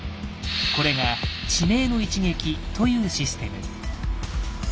これが「致命の一撃」というシステム。